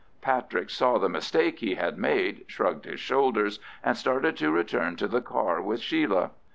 Patrick saw the mistake he had made, shrugged his shoulders, and started to return to the car with Sheila.